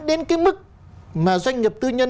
đến cái mức mà doanh nghiệp tư nhân